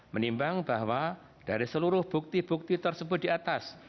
menimbang bahwa dari seluruh bukti bukti tersebut